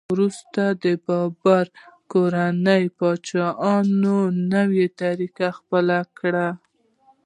وروسته د بابر د کورنۍ پاچاهانو نوې طریقې خپلې کړې.